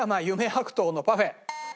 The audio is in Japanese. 白桃のパフェ。